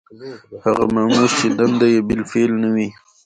هغه مامور چې دنده یې بالفعل نه وي.